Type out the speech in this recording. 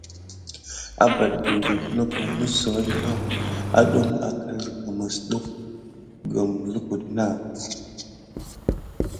Abete kulku misohohi na adum à siga mis def kum kulu naà.